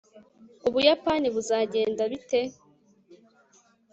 ubuyapani buzagenda bite